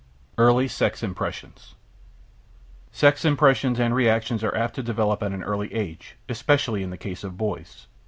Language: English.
EARLY SEX IMPRESSIONS Sex impressions and reactions are apt to develop at an early age, especially in the case of boys.